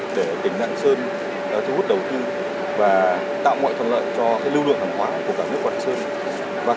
để tỉnh lạng sơn thu hút đầu tư và tạo mọi tham gia cho lưu lượng hàng hóa của cả nước lạng sơn